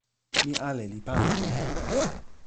mi ale li pali e ni.